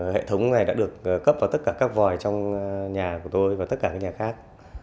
hệ thống này đã được cấp vào tất cả các vòi trong nhà của tôi và tất cả các nhà khác